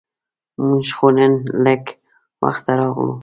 مونږ خو نن لږ وخته راغلو.